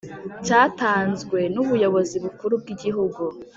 cyatanzwe n ubuyobozi bukuru bw Igihugu